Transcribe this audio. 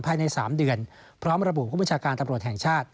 ภายใน๓เดือนพร้อมระบุผู้บัญชาการตำรวจแห่งชาติ